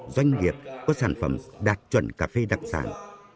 doanh nghiệp có sản phẩm đạt chuẩn cà phê đặc sản